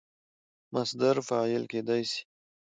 مصدر فاعل کېدای سي.